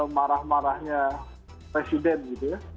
marah marahnya presiden gitu ya